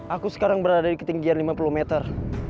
aku sekarang berada di ketinggian lima puluh meter